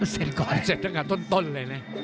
เสร็จตั้งแต่ต้นเลยนะ